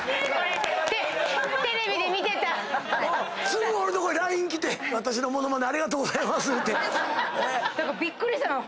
すぐ俺のとこにＬＩＮＥ来て「私の物まねありがとうございます」びっくりしたの。